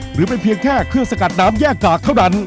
หรือเป็นเพียงแค่เครื่องสกัดน้ำแยกกากเท่านั้น